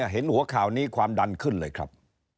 เห็นหัวข่าวนี้ความดันขึ้นเลยครับ